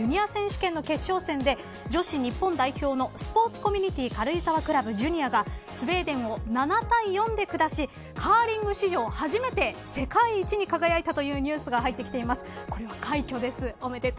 日本時間、昨夜行われた２１歳以下の選手によるカーリングの世界ジュニア選手権の決勝戦で女子日本代表のスポーツコミュニティ軽井沢クラブジュニアがスウェーデンを７対４で下しカーリング史上初めて世界一に輝いたというニュースが入ってきています。